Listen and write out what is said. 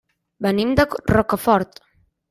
Venim de Rocafort.